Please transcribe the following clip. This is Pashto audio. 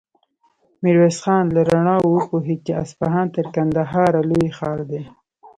ميرويس خان له رڼاوو وپوهېد چې اصفهان تر کندهاره لوی ښار دی.